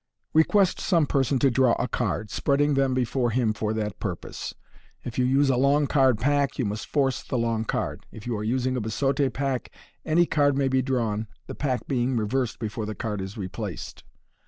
— Request some person to draw a card, spreading them before him for that purpose. If you use a long card pack you must force the long card j if you are using a biseaute pack any card may be drawn, the pack being reversed before the card is replaced.